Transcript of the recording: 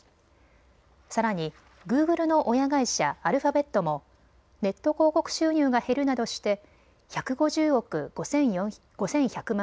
さらに、グーグルの親会社、アルファベットもネット広告収入が減るなどして１５０億５１００万